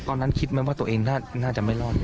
ตอนนั้นคิดไหมว่าตัวเองน่าจะไม่รอด